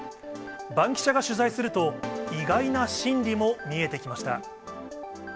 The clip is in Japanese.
バンキシャが取材すると、意外な心理も見えてきました。